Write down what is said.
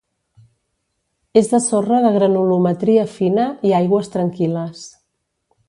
És de sorra de granulometria fina i aigües tranquil·les.